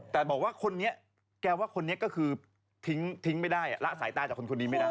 แต่บอกว่าคนนี้แกว่าคนนี้ก็คือทิ้งไม่ได้ละสายตาจากคนนี้ไม่ได้